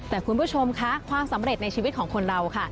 แต่คุณผู้ชมค่ะความสำเร็จในชีวิตของคนเราค่ะ